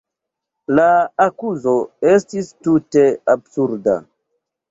La akuzo estis tute absurda.